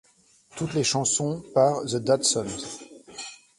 Toutes les chansons par The Datsuns.